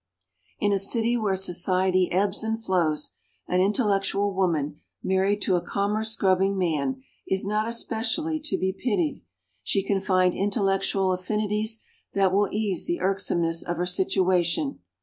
In a city where society ebbs and flows, an intellectual woman married to a commerce grubbing man is not especially to be pitied. She can find intellectual affinities that will ease the irksomeness of her situation.